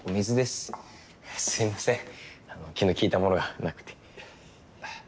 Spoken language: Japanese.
すいません気の利いたものがなくて。